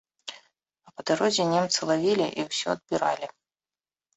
А па дарозе немцы лавілі і ўсё адбіралі.